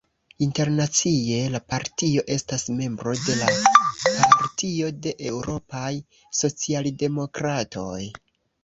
Internacie, la partio estas membro de la Partio de Eŭropaj Socialdemokratoj.